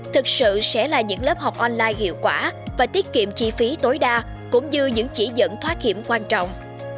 thực sự sẽ là những lớp học online hiệu quả và tiết kiệm chi phí tối đa cũng như những chỉ dẫn thoát hiểm quan trọng